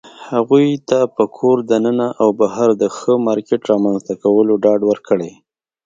هغوى ته په کور دننه او بهر د ښه مارکيټ رامنځته کولو ډاډ ورکړى